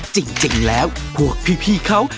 จริงแล้วพวกพี่เขา